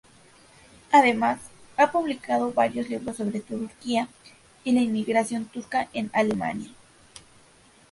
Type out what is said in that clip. Además, ha publicado varios libros sobre Turquía y la inmigración turca en Alemania.